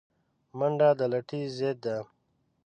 منډه د لټۍ ضد ده